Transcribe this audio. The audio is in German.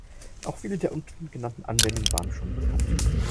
Auch viele der unten genannten Anwendungen waren schon bekannt.